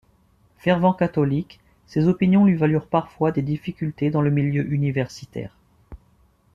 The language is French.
Fervent catholique, ses opinions lui valurent parfois des difficultés dans le milieu universitaire.